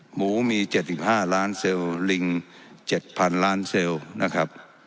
หมูมี๗๕ล้านเซลล์ลิง๗๐๐ล้านเซลล์นะครับ